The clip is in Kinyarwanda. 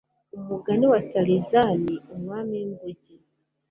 "Umugani wa Tarzan, Umwami w'inguge".